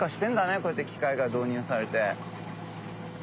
こうやって機械が導入されて。